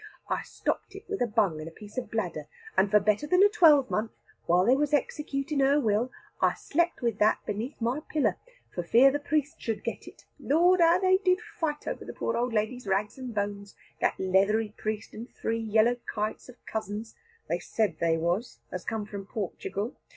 I stopped it with a bung and a piece of bladder, and for better than a twelvemonth, while they was executing her will, I slept with that beneath my pillow for fear the priest should get it. Lord, how they did fight over the poor old lady's rags and bones, that leathery priest and three yellow kites of cousins, they said they was, as come from Portugal.